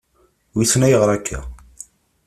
Wissen ayɣeṛ akka.